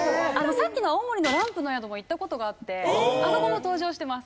さっきの青森のランプの宿も行った事があってあそこも登場してます。